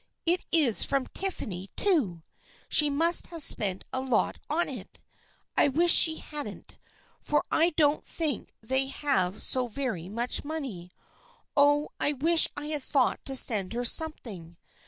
It is from Tiffany's, too. She must have spent a lot on it. I wish she hadn't, for I don't think they have so very much money. Oh, I wish I had thought to send her something